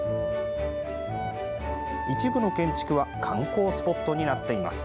一部の建築は観光スポットになっています。